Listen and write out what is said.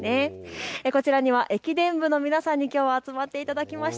こちらには駅伝部の皆さんにきょうは集まっていただきました。